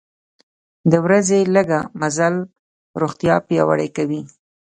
د ورځې لږه مزل روغتیا پیاوړې کوي.